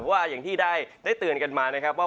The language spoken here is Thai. เพราะว่าอย่างที่ได้เตือนกันมานะครับว่า